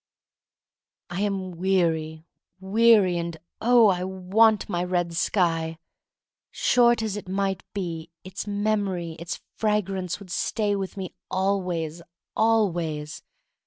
I am weary — weary, and, oh, I want my red sky! Short as it might be, its memory, its fragrance would stay with me always — always.